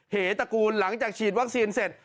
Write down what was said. เหตระกูลหลังจากฉีดวัคซีนเสร็จ